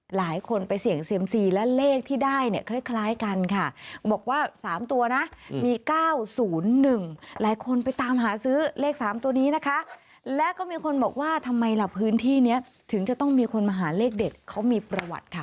หลายคนไปเสี่ยงเซียมซีและเลขที่ได้เนี่ยคล้ายกันค่ะบอกว่า๓ตัวนะมี๙๐๑หลายคนไปตามหาซื้อเลข๓ตัวนี้นะคะแล้วก็มีคนบอกว่าทำไมล่ะพื้นที่นี้ถึงจะต้องมีคนมาหาเลขเด็ดเขามีประวัติค่ะ